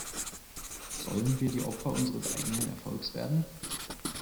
Sollen wir die Opfer unseres eigenen Erfolgs werden?